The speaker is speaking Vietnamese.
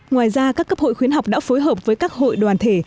ngoài ra các cấp hội khuyến học đã phối hợp với các hội đoàn thể